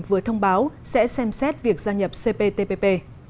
vừa thông báo sẽ xem xét việc gia nhập cptpp